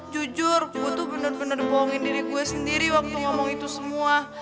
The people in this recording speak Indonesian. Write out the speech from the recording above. jujur aku tuh bener bener bohongin diri gue sendiri waktu ngomong itu semua